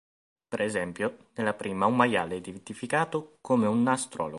Per esempio, nella prima un maiale è identificato come un astrologo.